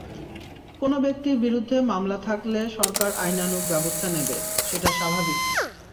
কোনো ব্যক্তির বিরুদ্ধে মামলা থাকলে সরকার আইনানুগ ব্যবস্থা নেবে, সেটা স্বাভাবিক।